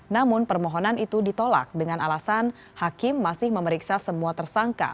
namun permohonan itu ditolak dengan alasan hakim masih memeriksa semua tersangka